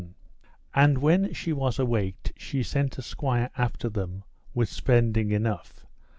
And when she was awaked she sent a squire after them with spending enough.